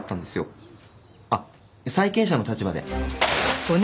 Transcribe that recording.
あっ債権者の立場で。